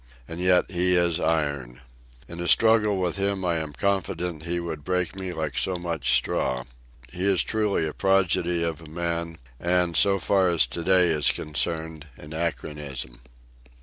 And yet he is iron. In a struggle with him I am confident that he would break me like so much straw. He is truly a prodigy of a man, and, so far as to day is concerned, an anachronism.